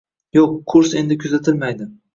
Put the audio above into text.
Yo'q Kurs endi kuzatilmaydi